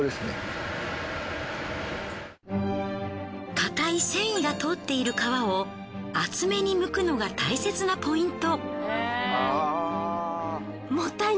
硬い繊維が通っている皮を厚めにむくのが大切なポイント。